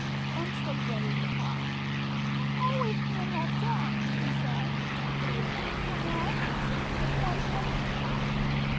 Bumps looked ready to cry. "I'm alwayth being left out," she said; "do pleath make it come right. Can't I give one penny?"